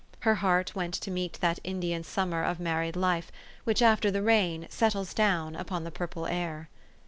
Her heart went to meet that Indian summer of married life, which, after the rain, settles down upon the purple air.